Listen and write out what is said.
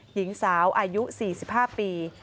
หญิงสาวอายุ๔๕ปี